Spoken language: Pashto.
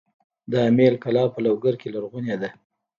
د امیل کلا په لوګر کې لرغونې ده